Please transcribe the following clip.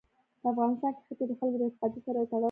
په افغانستان کې ښتې د خلکو د اعتقاداتو سره تړاو لري.